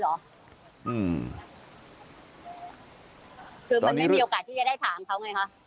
คือมันไม่มีโอกาสที่จะได้ถามเขาไงคะ